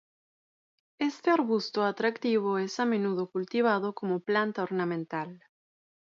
Este arbusto atractivo es a menudo cultivado como planta ornamental.